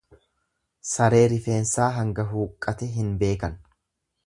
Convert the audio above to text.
Saree rifeensaa hanga huqqate hin beekan.